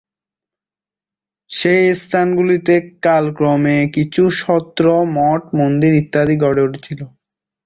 সেই স্থানগুলিতে কালক্রমে কিছু সত্র, মঠ-মন্দির ইত্যাদি গড়ে উঠেছিল।